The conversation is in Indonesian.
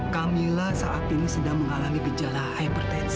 camilla saat ini sedang mengalami gejala hipertensi